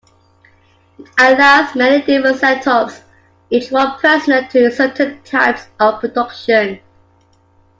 It allows many different setups, each one personal to certain types of productions.